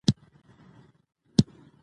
قانون د ټولنې د سمون لپاره اصول ټاکي.